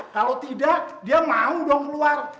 kalau tidak dia mau dong keluar